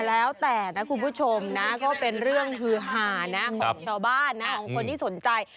แล้วแต่นะคุณผู้ชมนะก็เป็นเรื่องฮือหานะของชาวบ้านนะของคนที่สนใจ